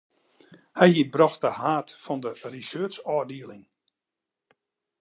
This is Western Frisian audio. Hy hie it brocht ta haad fan in researchôfdieling.